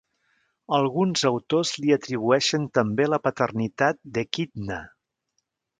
Alguns autors li atribueixen també la paternitat d'Equidna.